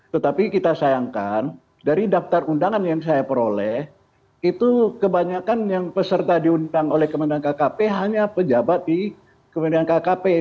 tetapi kita sayangkan dari daftar undangan yang saya peroleh itu kebanyakan yang peserta diundang oleh kementerian kkp hanya pejabat di kementerian kkp